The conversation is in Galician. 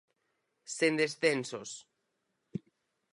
Sen descensos.